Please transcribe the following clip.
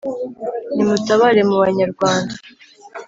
Nimutabare mu banyarwanda